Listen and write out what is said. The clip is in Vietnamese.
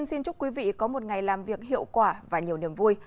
xin chúc quý vị có một ngày làm việc hiệu quả và nhiều niềm vui